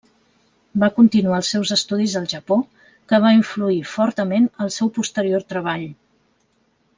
Va continuar els seus estudis al Japó, que va influir fortament el seu posterior treball.